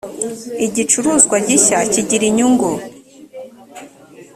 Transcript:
igicuruzwa gishya kigiri inyungu.